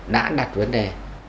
đã đặt vấn đề